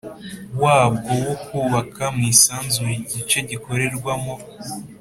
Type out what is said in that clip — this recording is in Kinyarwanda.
wabwo wo kubaka mu isanzure igice gikorerwamo